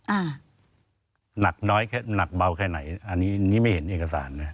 หนักน้อยแค่หนักเบาแค่ไหนอันนี้ไม่เห็นเอกสารนะ